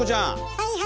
はいはい。